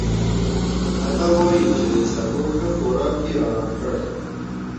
هغه وايي چې د سبو ښه خوراک يې ارام کړی.